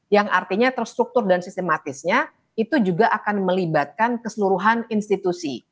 yang artinya terstruktur dan sistematisnya itu juga akan melibatkan keseluruhan institusi